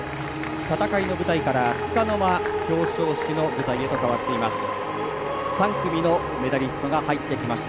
戦いの舞台から、つかの間表彰式の舞台へと変わっています。